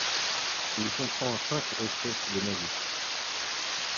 Il comprend cinq espèces de nasiques.